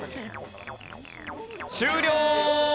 終了！